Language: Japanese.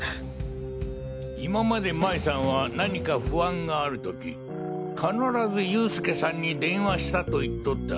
今まで麻衣さんは何か不安がある時必ず佑助さんに電話したと言っとった。